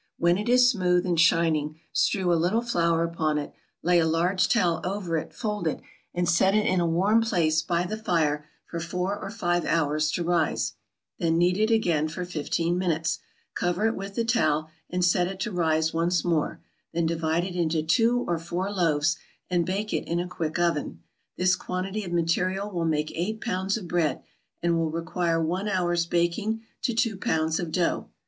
When it is smooth and shining strew a little flour upon it, lay a large towel over it folded, and set it in a warm place by the fire for four or five hours to rise; then knead it again for fifteen minutes, cover it with the towel, and set it to rise once more; then divide it into two or four loaves, and bake it in a quick oven. This quantity of material will make eight pounds of bread, and will require one hour's baking to two pounds of dough.